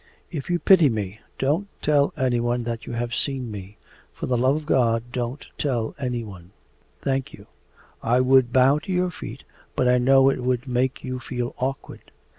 If you pity me, don't tell anyone that you have seen me. For the love of God don't tell anyone. Thank you. I would bow to your feet but I know it would make you feel awkward.